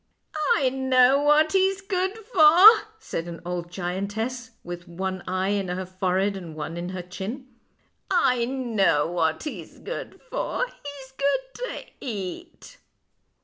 " I know what he's good for," said an old giantess, with one eye in her forehead and one in her chin. " I know what he's good for. He's good to eat."